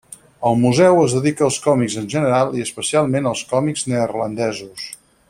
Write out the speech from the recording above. El museu es dedica als còmics en general i especialment als còmics neerlandesos.